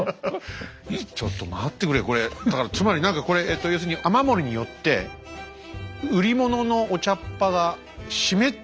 ちょっと待ってくれこれだからつまり何かこれえっと要するに雨漏りによって売り物のお茶っ葉が湿ってしまったと。